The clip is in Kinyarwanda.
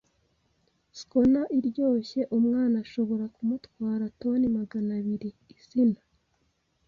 schooner iryoshye - umwana ashobora kumutwara - toni magana abiri; izina,